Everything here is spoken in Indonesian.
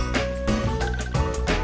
tapi masih masa